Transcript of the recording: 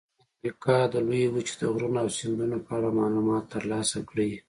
د امریکا د لویې وچې د غرونو او سیندونو په اړه معلومات ترلاسه کړئ.